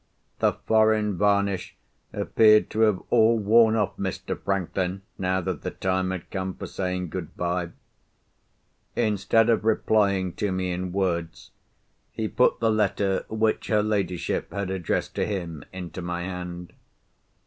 The foreign varnish appeared to have all worn off Mr. Franklin, now that the time had come for saying good bye. Instead of replying to me in words, he put the letter which her ladyship had addressed to him into my hand.